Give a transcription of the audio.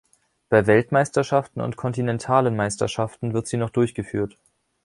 Bei Weltmeisterschaften und kontinentalen Meisterschaften wird sie noch durchgeführt.